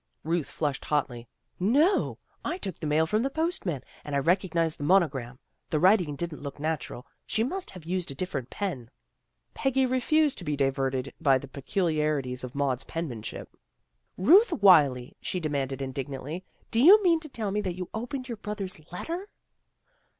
" Ruth flushed hotly. " No o! I took the mail from the postman, and I recognized the CHRISTMAS PREPARATIONS 179 monogram. The writing didn't look natural. She must have used a different pen." Peggy refused to be diverted by the peculiari ties of Maud's penmanship. " Ruth Wylie! " she demanded indignantly. " Do you mean to tell me that you opened your brother's let ter?